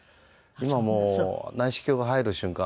今もう内視鏡が入る瞬間